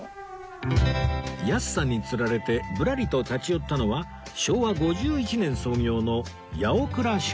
安さに釣られてぶらりと立ち寄ったのは昭和５１年創業の八百倉商店